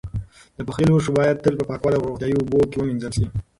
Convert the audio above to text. د پخلي لوښي باید تل په پاکو او روغتیایي اوبو ومینځل شي.